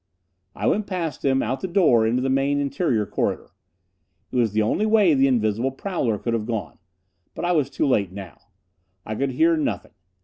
I went past him, out the door into the main interior corridor. It was the only way the invisible prowler could have gone. But I was too late now I could hear nothing.